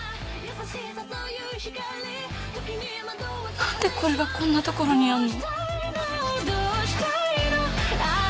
なんでこれがこんな所にあるの？